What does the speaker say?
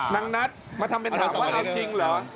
นัดมาทำเป็นถามว่าเอาจริงเหรอ